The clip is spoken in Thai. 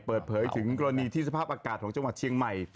เปิดเผยถึงกรณีที่สภาพอากาศของจังหวัดเชียงใหม่